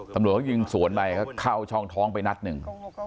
ตำรวจเขายิงสวนไปก็เข้าช่องท้องไปนัดหนึ่ง